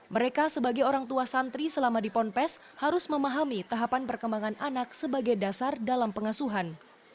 mereka sebagai orang tua santri selama di ponpes harus memahami tahapan perkembangan anak sebagai dasar dalam pengasuhan